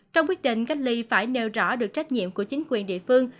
trong quyết định cách ly phải nêu rõ được trách nhiệm của chính quyền địa phương